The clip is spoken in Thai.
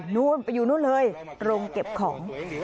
นู่นไปอยู่นู่นเลยโรงเก็บของ